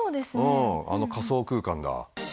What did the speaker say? うんあの仮想空間だ。